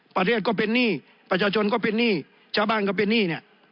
ประเทศก็เป็นหนี้ประชาชนก็เป็นหนี้ชาวบ้านก็เป็นหนี้เนี่ย